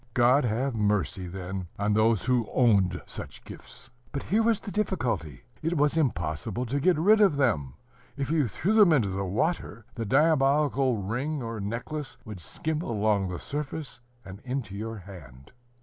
God have mercy, then, on those who owned such gifts! But here was the difficulty: it was impossible to get rid of them; if you threw them into the water, the diabolical ring or necklace would skim along the surface, and into your hand.